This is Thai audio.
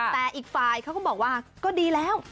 แต่อีกฝ่ายเขาก็บอกว่าก็ดีแล้ว